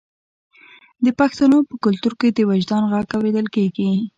د پښتنو په کلتور کې د وجدان غږ اوریدل کیږي.